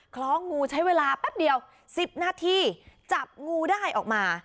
คล้องงูใช้เวลาแป๊บเดียว๑๐นาทีจับงูได้ออกมา